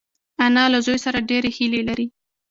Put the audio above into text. انا له زوی سره ډېرې هیلې لري